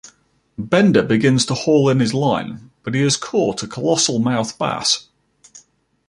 Bender begins to haul in his line, but he has caught a colossal-mouth bass.